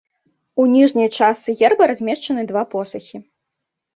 У ніжняй частцы герба размешчаны два посахі.